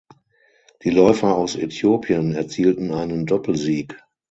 Die Läufer aus Äthiopien erzielten einen Doppelsieg.